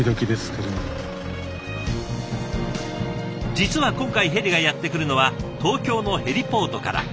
実は今回ヘリがやって来るのは東京のヘリポートから。